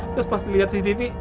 terus pas liat cctv